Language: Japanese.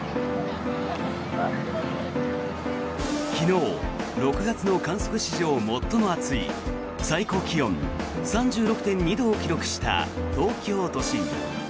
昨日、６月の観測史上最も暑い最高気温３６．２度を記録した東京都心。